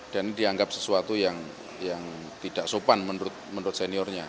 dan dianggap sesuatu yang tidak sopan menurut seniornya